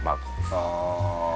ああ。